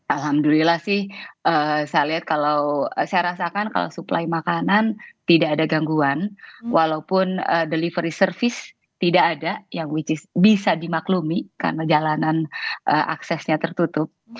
alhamdulillah sih saya lihat kalau saya rasakan kalau suplai makanan tidak ada gangguan walaupun delivery service tidak ada yang which is bisa dimaklumi karena jalanan aksesnya tertutup